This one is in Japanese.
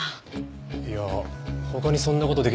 いや他にそんな事出来る人。